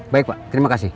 baik pak terima kasih